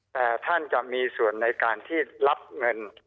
แต่ท่านจะมีส่วนในการที่รับเงิน